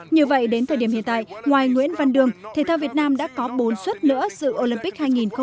như vậy đến thời điểm hiện tại ngoài nguyễn văn đương thể thao việt nam đã có bốn suất nữa dự olympic hai nghìn hai mươi